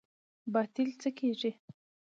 باطل څه کیږي؟